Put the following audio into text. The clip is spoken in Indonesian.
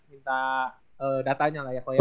minta datanya lah ya kok ya